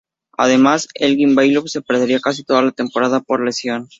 Además, Elgin Baylor se perdería casi toda la temporada por lesión.